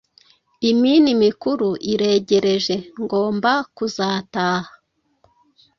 Iminimikuru iregereje ngomba kuzataha